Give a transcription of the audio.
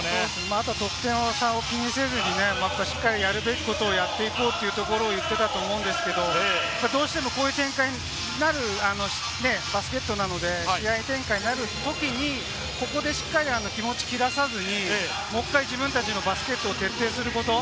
あと得点差を気にせず、もっとしっかりやるべきことをやっていこうというところを言ってたと思うんですけれども、どうしてもこういう展開になるバスケットなので、こういう試合展開になるときに、ここでしっかり気持ちを切らさずに、もう一回、自分たちのバスケットを徹底すること。